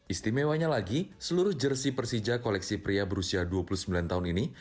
istimewanya lagi seluruh jersi persija koleksi pria berusia dua puluh sembilan tahun ini